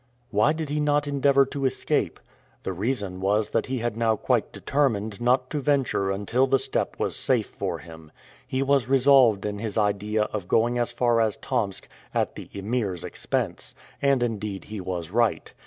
Why did he not endeavor to escape? The reason was that he had now quite determined not to venture until the steppe was safe for him. He was resolved in his idea of going as far as Tomsk "at the Emir's expense," and indeed he was right.